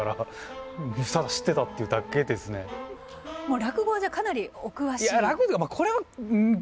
もう落語はじゃあかなりお詳しい？